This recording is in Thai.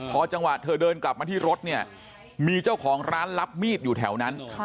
พอจังหวะเธอเดินกลับมาที่รถเนี่ยมีเจ้าของร้านรับมีดอยู่แถวนั้น